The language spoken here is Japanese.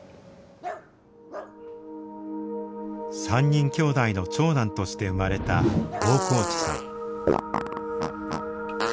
３人きょうだいの長男として生まれた大河内さん。